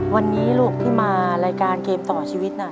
วันนี้ลูกที่มารายการเกมต่อชีวิตน่ะ